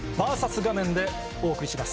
バーサス画面でお送りします。